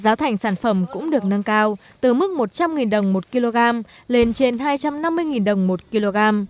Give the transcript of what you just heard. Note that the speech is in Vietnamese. giá thành sản phẩm cũng được nâng cao từ mức một trăm linh đồng một kg lên trên hai trăm năm mươi đồng một kg